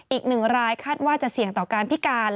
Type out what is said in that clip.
อีกหนึ่งรายคาดว่าจะเสี่ยงต่อการพิการ